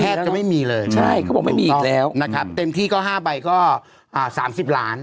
แททก็ไม่มีเลยเขาบอกไม่มีอีกแล้วนะครับเต็มที่ก็ห้าใบก็อ่าสามสิบล้าน